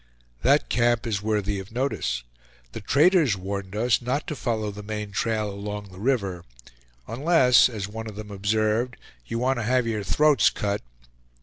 That camp is worthy of notice. The traders warned us not to follow the main trail along the river, "unless," as one of them observed, "you want to have your throats cut!"